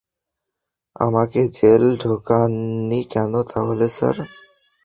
আমাকে জেলে ঢোকাননি কেন তাহলে, স্যার?